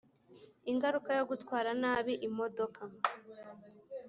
ingaruka yo gutwara nabi imodoka